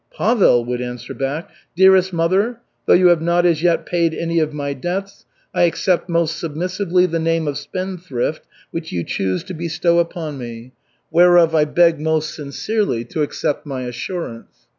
Pavel would answer back: "Dearest mother, though you have not as yet paid any of my debts, I accept most submissively the name of spendthrift which you choose to bestow upon me, whereof I beg most sincerely to accept my assurance."